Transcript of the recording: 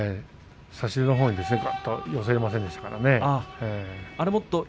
差し手のほうに寄せられませんでしたからね。